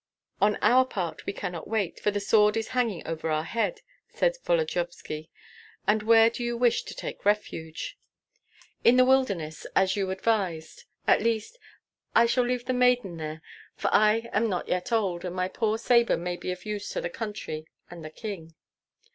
"On our part we cannot wait, for the sword is hanging over our heads," said Volodyovski. "And where do you wish to take refuge?" "In the wilderness, as you advised. At least, I shall leave the maiden there; for I am not yet old, and my poor sabre may be of use to the country and the king."